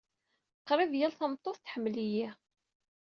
Qrib yal tameṭṭut tḥemmel-iyi.